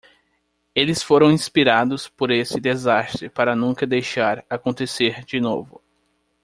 Eles foram inspirados por esse desastre para nunca deixar acontecer de novo.